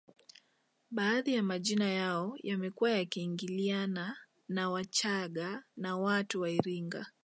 Baadhi ya majina yao yamekuwa yakiingiliana na ya wachaga na watu wa iringa